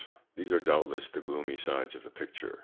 These are doubtless the gloomy sides of the picture.